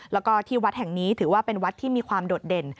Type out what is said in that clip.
แล้วก็ที่วัดแห่งนี้ถือว่าเป็นวัดที่มีความโดดเด่น